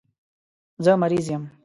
زه مریض یم